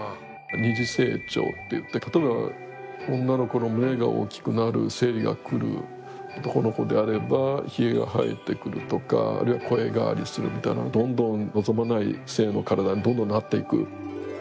二次性徴っていって例えば女の子の胸が大きくなる生理がくる男の子であればヒゲが生えてくるとかあるいは声変わりするみたいなどんどん望まない性の体にどんどんなっていく。